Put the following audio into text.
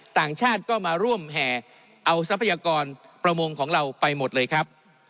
ต่างชาติก็มาร่วมแห่เอาทรัพยากรประมงของเราไปหมดเลยครับ